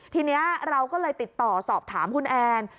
ทีนี้เราก็เลยติดต่อสอบถามคุณแอน